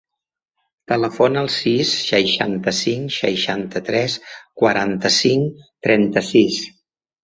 Telefona al sis, seixanta-cinc, seixanta-tres, quaranta-cinc, trenta-sis.